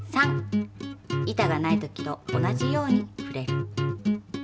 板がない時と同じように振れる。